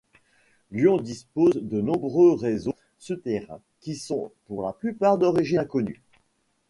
Lyon dispose de nombreux réseaux souterrains qui sont pour la plupart d'origine inconnue.